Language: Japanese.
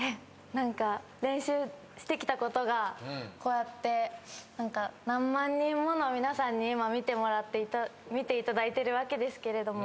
何か練習してきたことがこうやって何万人もの皆さんに今見ていただいてるわけですけれども。